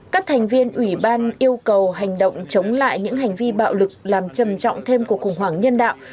các thành viên ủy ban yêu cầu hành động chống lại những hành vi bạo lực làm trầm trọng thêm của khủng hoảng nhân đạo